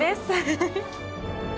フフフフ。